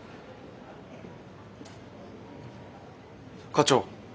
課長。